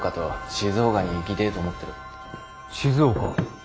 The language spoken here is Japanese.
静岡？